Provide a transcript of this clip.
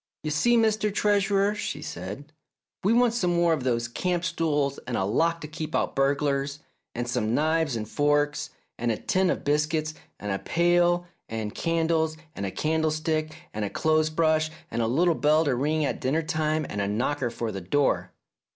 "You see, Mr. Treasurer," she said, "we want some more of those camp stools and a lock to keep out burglars, and some knives and forks, and a tin of biscuits and a pail and candles and a candlestick and a clothes brush and a little bell to ring at dinner time and a knocker for the door."